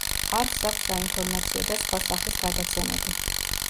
არხს აქვს საინფორმაციო და სხვა სახის გადაცემები.